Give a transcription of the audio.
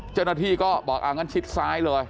เจ้าหน้าที่ก็บอกอ่างั้นชิดซ้ายเลย